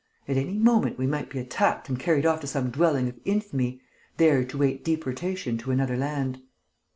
At any moment we might be attacked and carried off to some dwelling of infamy, there to wait deportation to another land."